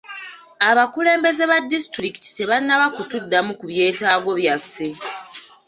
Abakulembeze ba disitulikiti tebannaba kutuddamu ku byetaago byaffe.